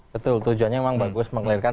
betul tujuannya memang bagus meng clearkan